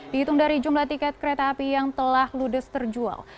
dihitung dari jumlah tiket kereta api yang telah ludes terjual